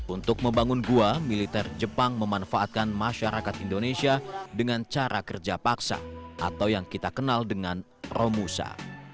untuk membangun gua militer jepang memanfaatkan masyarakat indonesia dengan cara kerja paksa atau yang kita kenal dengan romusa